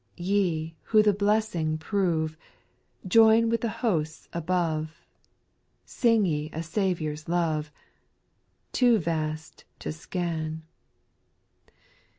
Ye, who the blessing prove, Join with the hosts above ; Sing ye a Saviour's love, — Too vast to scan.